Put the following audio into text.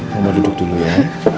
mama duduk dulu ya